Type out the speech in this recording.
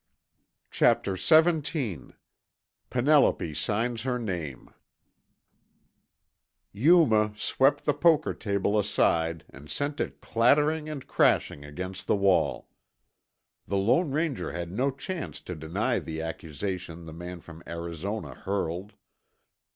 Chapter XVII PENELOPE SIGNS HER NAME Yuma swept the poker table aside and sent it clattering and crashing against the wall. The Lone Ranger had no chance to deny the accusation the man from Arizona hurled.